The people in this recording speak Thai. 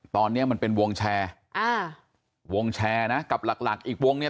ตอนนี้มันเป็นวงแชร์อ่าวงแชร์นะกับหลักหลักอีกวงเนี้ย